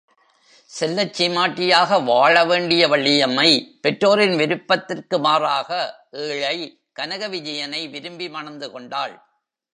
செல்லச் சீமாட்டியாக வாழ வேண்டிய வள்ளியம்மை, பெற்றோரின் விருப்பத்திற்கு மாறாக, ஏழை கனக விஜயனை விரும்பி மணந்து கொண்டாள்.